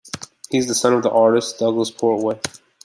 He is the son of the artist Douglas Portway.